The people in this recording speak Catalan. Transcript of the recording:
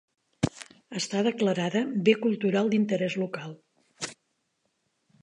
Està declarada Bé cultural d'interès local.